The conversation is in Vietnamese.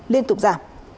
liên tục ra